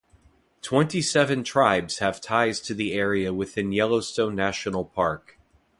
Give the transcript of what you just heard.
Twenty-seven tribes have ties to the area within Yellowstone National Park.